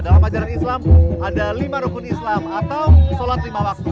dalam ajaran islam ada lima rukun islam atau sholat lima waktu